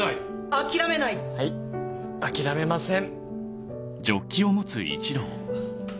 はい諦めません！